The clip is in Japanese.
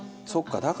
そうか。